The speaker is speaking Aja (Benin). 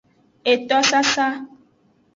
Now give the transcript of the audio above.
Eto sasa.